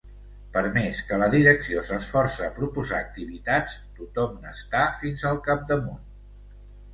Per més que la direcció s'esforça a proposar activitats tothom n'està fins al capdamunt.